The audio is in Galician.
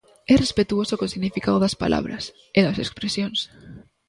E respectuoso co significado das palabras, e das expresións.